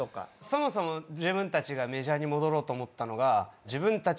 そもそも自分たちがメジャーに戻ろうと思ったのが。